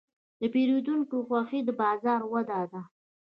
د پیرودونکي خوښي د بازار وده ده.